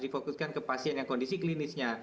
difokuskan ke pasien yang kondisi klinisnya